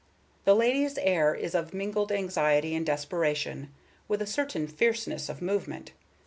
The lady's air is of mingled anxiety and desperation, with a certain fierceness of movement.